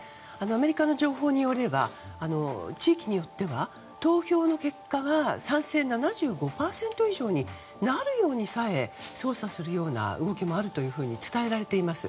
アメリカの情報によれば地域によっては投票の結果が賛成７５％以上になるようにさえ操作するような動きもあると伝えられています。